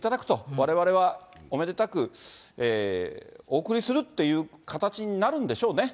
われわれはおめでたくお送りするっていう形になるんでしょうね。